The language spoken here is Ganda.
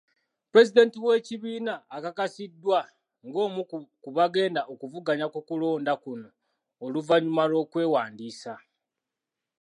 Pulezidenti w'ekibiina akakasiddwa nga omu ku bagenda okuvuganya mu kulonda kuno oluvannyuma lw'okwewandiisa.